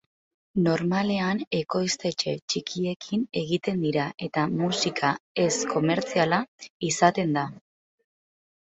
Normalean, ekoiztetxe txikiekin egiten dira eta musika ez-komertziala izaten da.